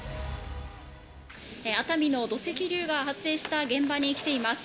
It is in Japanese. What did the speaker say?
熱海の土石流が発生した現場に来ています。